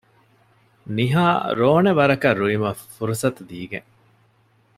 ނިހާ ރޯނެ ވަރަކަށް ރުއިމަށް ފުރުޞަތު ދީގެން